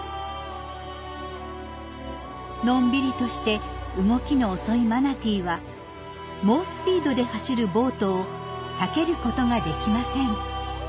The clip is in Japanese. のんびりとして動きの遅いマナティーは猛スピードで走るボートを避けることができません。